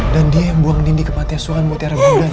dan dia yang bilang ke semua orang kalau anak kamu udah meninggal